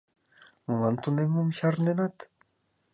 Молан тунеммым чарненат?